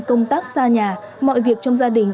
công tác xa nhà mọi việc trong gia đình